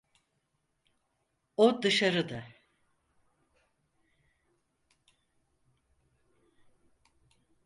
O dışarıda.